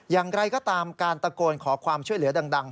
อย่างไรก็ตามการตะโกนขอความช่วยเหลือดัง